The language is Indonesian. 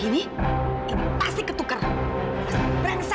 ini pasti perangsa